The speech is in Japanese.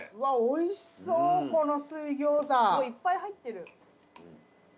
いっぱい入ってる。